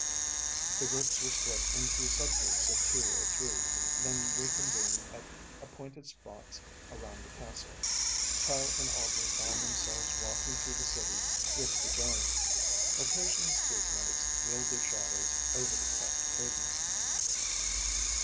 The groups were to split into subgroups of two or three, then reconvene at appointed spots around the castle. Tel and Alter found themselves walking through the city with the giant. Occasional street lights wheeled their shadows over the cracked pavement.